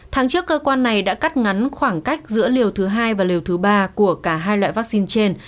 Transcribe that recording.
tháng trước cơ quan này đã cắt ngắn khoảng cách giữa liều thứ hai và liều thứ ba của cả hai loại vaccine trên